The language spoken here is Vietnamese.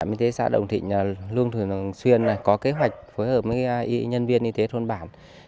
y tế xã đồng thịnh luôn thường xuyên có kế hoạch phối hợp với nhân viên y tế thôn bản